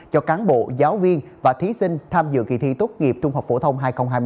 cho cán bộ giáo viên và thí sinh tham dự kỳ thi tốt nghiệp trung học phổ thông hai nghìn hai mươi bốn